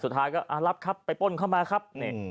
สุดท้ายก็ก็ไปปล้นเข้ามาครับ